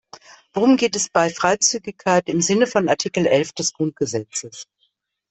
Worum geht es bei Freizügigkeit im Sinne von Artikel elf des Grundgesetzes?